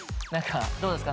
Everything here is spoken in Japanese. どうですか？